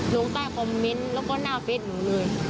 ลงใต้คอมเมนต์แล้วก็หน้าเฟสหนูเลย